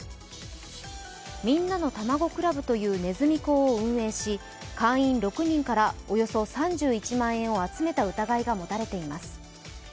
みんなのたまご倶楽部というねずみ講を運営し会員６人からおよそ３１万円を集めた疑いが持たれています。